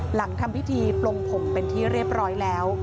หลังทำพิธีปลงผมเป็นที่เรียบร้อยแล้ว